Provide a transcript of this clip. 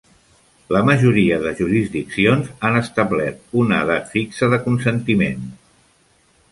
La majoria de jurisdiccions han establert una edat fixa de consentiment.